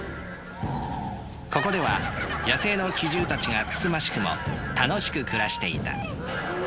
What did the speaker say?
ここでは野生の奇獣たちがつつましくも楽しく暮らしていた。